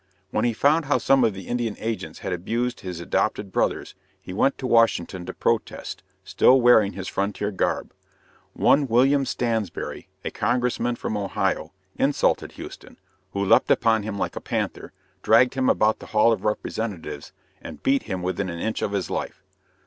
When he found how some of the Indian agents had abused his adopted brothers he went to Washington to protest, still wearing his frontier garb. One William Stansberry, a Congressman from Ohio, insulted Houston, who leaped upon him like a panther, dragged him about the Hall of Representatives, and beat him within an inch of his life.